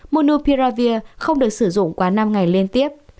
monopiravir không được sử dụng quá năm ngày liên tiếp